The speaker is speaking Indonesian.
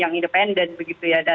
yang independen begitu ya